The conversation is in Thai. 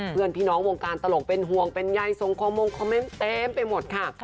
เพื่อนพี่น้องวงการตลกเป็นห่วงเป็นใยทรงคอมมงคอมเมนต์เต็มไปหมดค่ะ